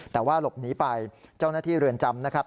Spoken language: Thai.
แต่ว่าหลบหนีไปเจ้าหน้าที่เรือนจำนะครับ